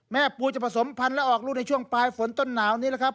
ปูจะผสมพันธ์และออกลูกในช่วงปลายฝนต้นหนาวนี้นะครับ